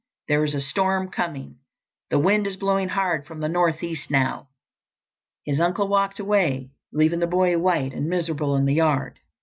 There is a storm coming. The wind is blowing hard from the northeast now." His uncle walked away, leaving the boy white and miserable in the yard.